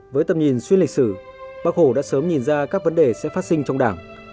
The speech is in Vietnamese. với tầm nhìn xuyên lịch sử bác hồ đã sớm nhìn ra các vấn đề sẽ phát sinh trong đảng